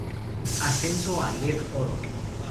Ascenso a Leb Oro